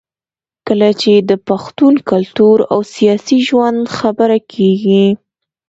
کله چې د پښتون کلتور او سياسي ژوند خبره کېږي